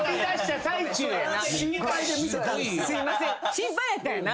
心配やったんやな。